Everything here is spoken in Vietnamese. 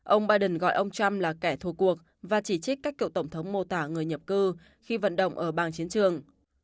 ông biden gọi ông trump là kẻ thù cuộc và chỉ trích các cựu tổng thống mô tả người nhập cư khi vận động ở bang chiến trường